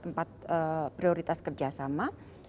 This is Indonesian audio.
empat prioritas kerjasama